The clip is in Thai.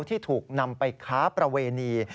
ที่ถูกนำไปค้าประเวณี